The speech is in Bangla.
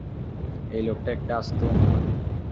এই লোকটা একটা আস্ত উন্মাদ।